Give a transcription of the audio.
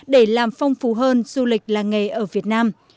để làm phong phú hơn du lịch làng nghề ở việt nam